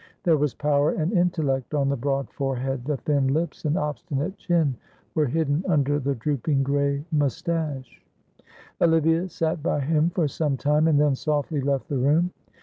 There was power and intellect on the broad forehead, the thin lips and obstinate chin were hidden under the drooping grey moustache. Olivia sat by him for some time, and then softly left the room.